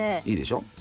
いいでしょ？